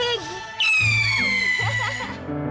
arangnya ke situ